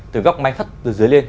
từ góc máy thắt từ dưới lên